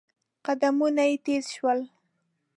قدمونه يې تېز شول.